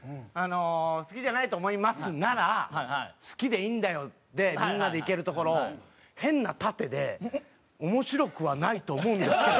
「好きじゃないと思います」なら「好きでいいんだよ」でみんなでいけるところを変な盾で「面白くはないと思うんですけど」